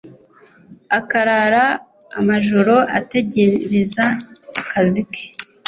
akarara amajoro atengeneza akazi ke